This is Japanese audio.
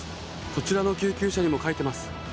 こちらの救急車にも書いてます。